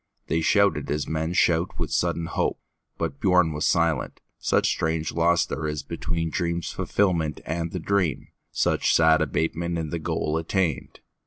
They shouted as men shout with sudden hope; But Biörn was silent, such strange loss there isBetween the dream's fulfilment and the dream, Such sad abatement in the goal attained.